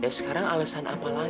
bang siapa ya bang